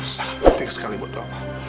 sangat penting sekali buat doa